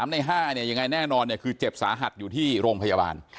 ใน๕เนี่ยยังไงแน่นอนคือเจ็บสาหัสอยู่ที่โรงพยาบาล